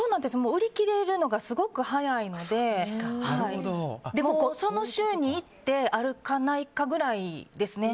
売り切れるのがすごく早いのででも、その週に行ってあるかないかぐらいですね。